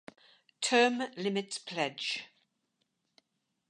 Term Limits pledge.